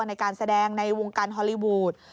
ในการแสดงในวงการฮอลลีวูด